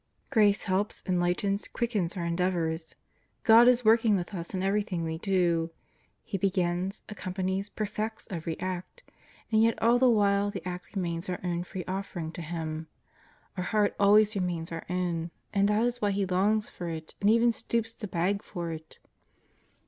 Grace helps, enlightens, quickens our endeavors. God is working with us in everything we do. He begins, accompanies, perfects every act. And yet all the while the act remains our own free offering to Him. Our heart always remains our own, and that is why He longs for it and even stoops to beg for it.